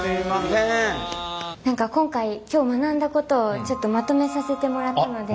何か今回今日学んだことをちょっとまとめさせてもらったので。